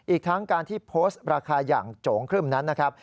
อีกทั้งการที่โพสต์ราคาอย่างโจ๋งครึ่มนั้นนะครับ